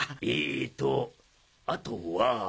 えっとあとは。